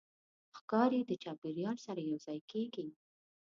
ښکاري د چاپېریال سره یوځای کېږي.